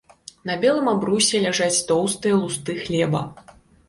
На белым абрусе ляжаць тоўстыя лусты хлеба.